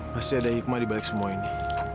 masih ada hikmah di balik semua ini